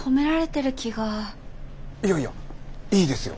いやいやいいですよ。